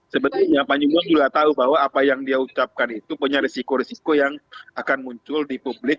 sebetulnya pak nyuman juga tahu bahwa apa yang dia ucapkan itu punya risiko risiko yang akan muncul di publik